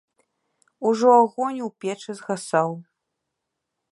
Ужо агонь у печы згасаў.